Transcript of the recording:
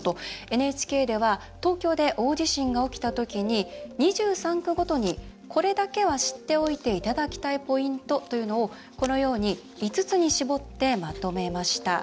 ＮＨＫでは東京で大地震が起きた時に２３区ごとに、これだけは知っておいていただきたいポイントというのを、このように５つに絞ってまとめました。